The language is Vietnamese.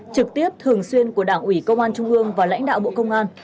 trực tiếp thường xuyên của đảng ủy công an trung ương và lãnh đạo bộ công an